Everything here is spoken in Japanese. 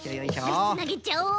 よしつなげちゃおう！